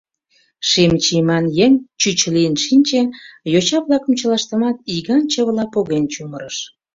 Шем чиеман еҥ чӱч лийын шинче, йоча-влакым чылаштымат иган чывыла поген чумырыш.